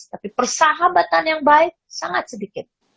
tapi persahabatan yang baik sangat sedikit